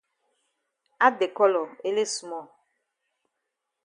Add de colour ele small.